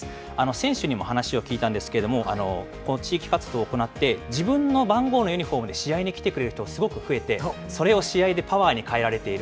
選手にも話を聞いたんですけれども、この地域活動を行って、自分の番号のユニホームで試合に来てくれる人がすごく増えて、それを試合でパワーに変えられている。